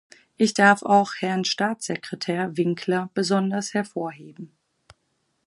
Ich darf auch Herrn Staatssekretär Winkler besonders hervorheben.